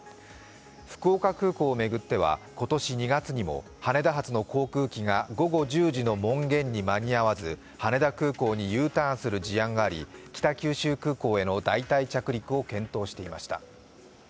福岡空港を巡っては今年２月にも羽田発の航空機が午後１０時の門限に間に合わず羽田空港にＵターンする事案があり北九州空港への代替着陸を検討していました。